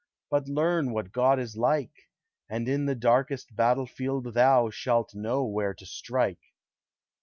But learn what God is like; And in the darkest battle field Thou shalt know where to strike.